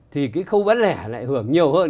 thì cái khâu bán lẻ lại hưởng nhiều hơn